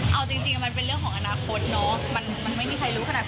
เอาจริงมันเป็นเรื่องของอนาคตเนาะ